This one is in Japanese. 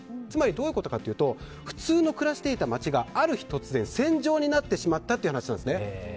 つまりどういうことかというと普通に暮らしていた街がある日、突然戦場になってしまったという話なんですね。